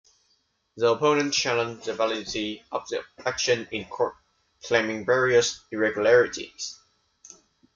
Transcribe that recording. The opponents challenged the validity of the election in court, claiming various irregularities.